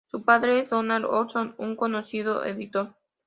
Su padre es Donald Olson, un conocido editor.